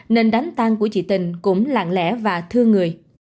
nên đánh tan của chị tình cũng lặng lẽ và thương người